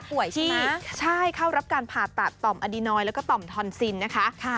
ขวายใช่ไหมใช่เข้ารับการผ่าตัดต่อมอดีนอยด์และก็ต่อมทอนซิลนะคะ